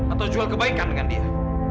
atau jual kebaikan dengan dia